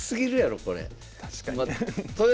確かに。